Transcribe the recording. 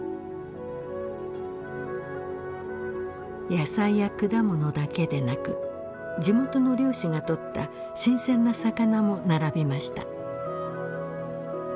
野菜や果物だけでなく地元の漁師が取った新鮮な魚も並びました。